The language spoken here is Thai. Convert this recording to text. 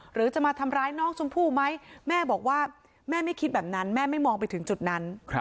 หรือจะมาทำร้ายน้องชมพู่ไหมแม่บอกว่าแม่ไม่คิดแบบนั้นแม่ไม่มองไปถึงจุดนั้น